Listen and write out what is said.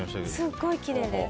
すっごいきれいです。